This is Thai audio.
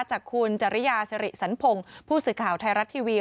จากคุณจริยาสิริสันพงศ์ผู้สื่อข่าวไทยรัฐทีวี